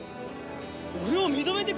俺を認めてくれてたの？